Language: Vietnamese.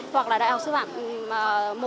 hoặc là đại học sư phạm một